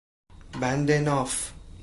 بند ناف